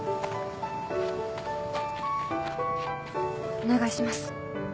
お願いします。